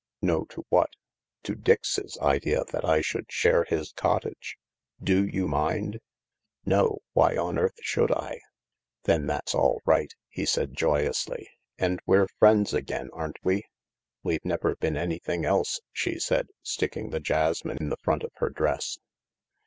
" No to what ?" "To Dix's idea that I should share his cottage. Do you mind ?"" No ; why on earth should I ?" "Then that's all right," he said joyously, "and we're friends again, aren't we ?"" We've never been anything else," she said, sticking the jasmine in the front of her dress.